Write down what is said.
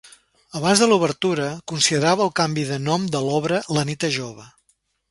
Abans de l'obertura, considerava el canvi de nom de l'obra "la nit és jove".